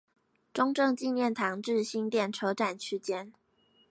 中正紀念堂至新店車站區間